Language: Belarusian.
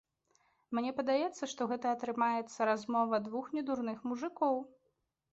Мне падаецца, што гэта атрымаецца размова двух недурных мужыкоў.